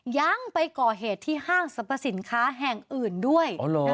ยังไปก่อเหตุที่ห้างสรรพสินค้าแห่งอื่นด้วย